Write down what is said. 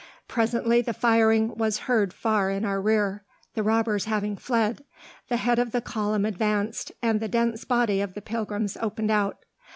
Presently the firing was heard far in our rear the robbers having fled; the head of the column advanced, and the dense body of the pilgrims opened out.